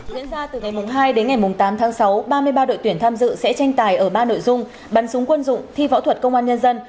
diễn ra từ ngày hai đến ngày tám tháng sáu ba mươi ba đội tuyển tham dự sẽ tranh tài ở ba nội dung bắn súng quân dụng thi võ thuật công an nhân dân